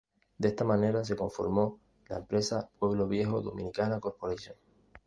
De esta manera se conformó la empresa Pueblo Viejo Dominicana Corporation.